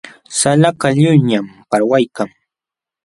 Salakaq lliwñam parwaykan.